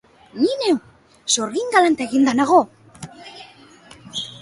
Ni neu, sorgin galanta eginda nago!